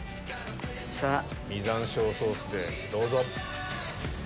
実山椒ソースでどうぞ。